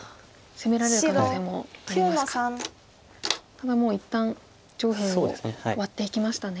ただもう一旦上辺をワッていきましたね。